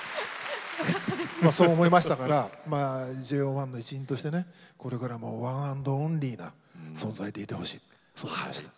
そう思いましたからＪＯ１の一員としてねこれからもワンアンドオンリーな存在でいてほしいそう思いました。